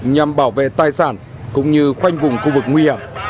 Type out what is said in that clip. nhằm bảo vệ tài sản cũng như khoanh vùng khu vực nguy hiểm